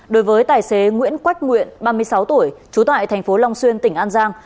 đối với tài xế nguyễn quách nguyện ba mươi sáu tuổi trú tại tp long xuyên tỉnh an giang